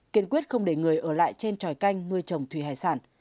kiên quyết không để người ở lại trên tròi canh nuôi trồng thủy hải sản